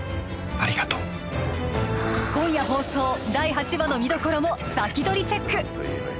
ありがとう今夜放送第８話の見どころも先取りチェック